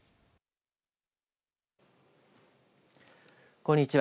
こんにちは。